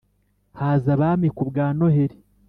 Haza abami nk'ubwa Noheli